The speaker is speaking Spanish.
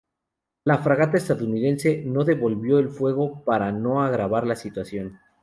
La fragata estadounidense no devolvió el fuego para "no agravar la situación".